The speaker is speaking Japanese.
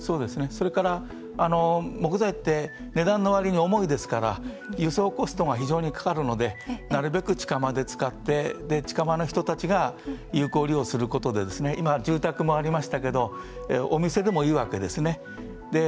それから木材って値段の割に重いですから輸送コストが非常にかかるのでなるべく近場で使って近場の人たちが有効利用することで住宅もありましたけどお店でもいいわけですね。